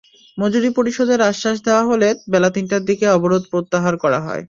মজুরি পরিশোধের আশ্বাস দেওয়া হলে বেলা তিনটার দিকে অবরোধ প্রত্যাহার করা হয়।